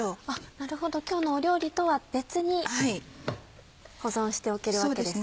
なるほど今日の料理とは別に保存しておけるわけですね。